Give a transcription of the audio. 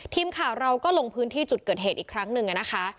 ทีมข่าวเราก็ลงพื้นที่จุดเกิดเหตุอีกครั้งหนึ่งนะคะ